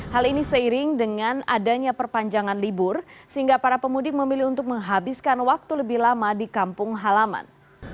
hal ini seiring dengan adanya perpanjangan libur sehingga para pemudik memilih untuk menghabiskan waktu lebih lama di kampung halaman